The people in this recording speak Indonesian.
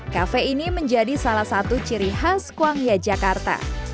kafe ini menjadi salah satu ciri khas kuangya jakarta